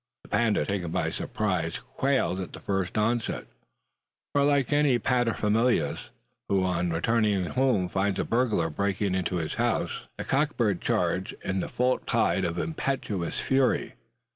The panda, taken by surprise, quailed at this first onset: for like any other paterfamilias who on returning home finds a burglar breaking into his house, the cock bird charged in the full tide of impetuous fury.